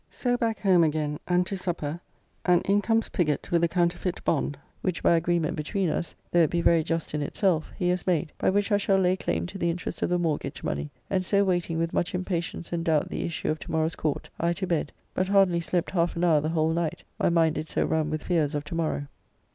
So back home again, and to supper, and in comes Piggott with a counterfeit bond which by agreement between us (though it be very just in itself) he has made, by which I shall lay claim to the interest of the mortgage money, and so waiting with much impatience and doubt the issue of to morrow's Court, I to bed, but hardly slept half an hour the whole night, my mind did so run with fears of to morrow.